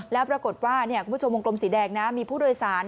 แล้วปรากฏว่าคุณผู้ชมวงกลมสีแดงนะมีผู้โดยสาร